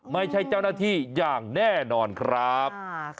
ไม่ใช่เจ้าหน้าที่อย่างแน่นอนครับ